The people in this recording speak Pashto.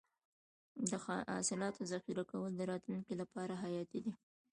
د حاصلاتو ذخیره کول د راتلونکي لپاره حیاتي دي.